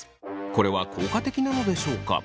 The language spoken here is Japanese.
これは効果的なのでしょうか。